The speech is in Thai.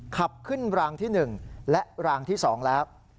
ขับขึ้นรางที่๑และรางที่๒แล้ว